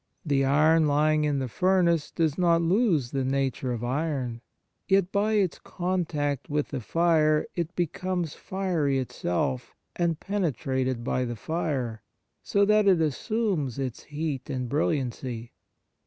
The iron lying in the furnace does not lose the nature of iron, vet by its contact with the fire it becomes fiery itself and penetrated by the fire, so that it assumes its heat and brilliancy.